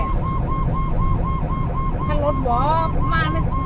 ผู้ชีพเราบอกให้สุจรรย์ว่า๒